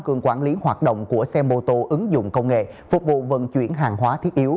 trực tuyến hoạt động của xe mô tô ứng dụng công nghệ phục vụ vận chuyển hàng hóa thiết yếu